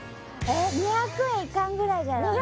２００円いかんぐらいじゃろうね